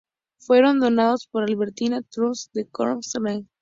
Fueron donados por Albertina Trust de Carl Jacobsen.